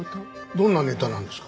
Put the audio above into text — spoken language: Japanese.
どんなネタなんですか？